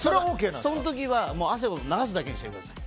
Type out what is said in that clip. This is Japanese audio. その時は汗を流すだけにしてください。